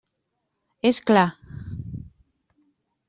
És clar.